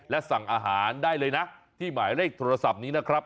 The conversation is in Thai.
และสั่งอาหารได้เลยนะที่หมายเลขโทรศัพท์นี้นะครับ